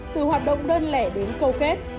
từ hoạt động đơn lẻ đến câu kết